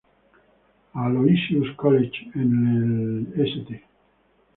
Aloysius' College, en el St.